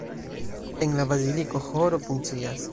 En la baziliko ĥoro funkcias.